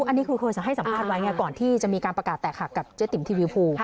อันนี้ครูเคยให้สัมภาษณ์ไว้ไงก่อนที่จะมีการประกาศแตกหักกับเจ๊ติ๋มทีวีภู